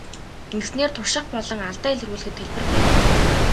Ингэснээр турших болон алдаа илрүүлэхэд хялбар байдаг.